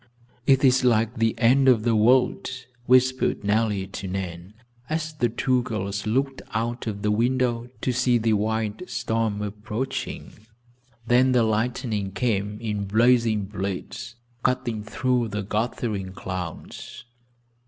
"It is like the end of the world," whispered Nellie to Nan, as the two girls looked out of the window to see the wild storm approaching. Then the lightning came in blazing blades, cutting through the gathering clouds.